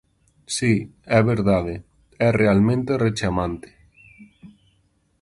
Si, é verdade, é realmente rechamante.